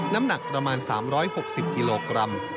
น้ำหนักประมาณ๓๖๐กิโลกรัม